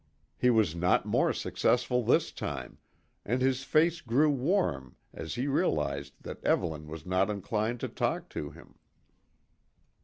He was not more successful this time, and his face grew warm as he realised that Evelyn was not inclined to talk to him.